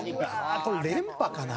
これ連覇かな？